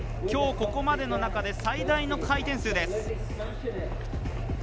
きょうここまでの中で最大の回転数です。